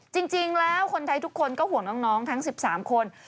จริงแล้วคนไทยทุกคนก็ห่วงน้องทั้ง๑๓คน